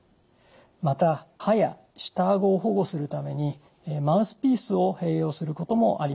また歯や下顎を保護するためにマウスピースを併用することもあります。